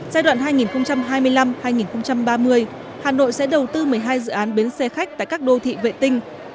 giai đoạn hai nghìn hai mươi năm hai nghìn ba mươi hà nội sẽ đầu tư một mươi hai dự án bến xe khách tại các đô thị vệ tinh